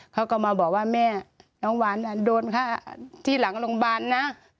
เขาก็มาบอกว่าแม่น้องหวานโดนฆ่าที่หลังโรงพยาบาลนะ